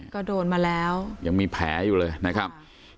ก็โดนมาแล้วยังมีแผลอยู่เลยนะครับ